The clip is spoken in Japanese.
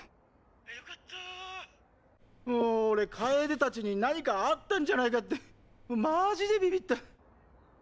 よかったぁもー俺楓たちに何かあったんじゃないかってマージでビビった。